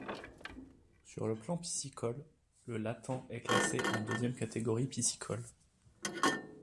Sur le plan piscicole, le Lathan est classé en deuxième catégorie piscicole.